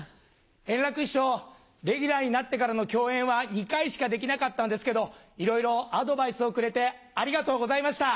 円楽師匠、レギュラーになってからの共演は２回しかできなかったんですけど、いろいろアドバイスをくれてありがとうございました。